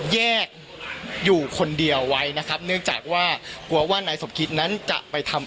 แยกอยู่คนเดียวไว้นะครับเนื่องจากว่ากลัวว่านายสมคิดนั้นจะไปทำ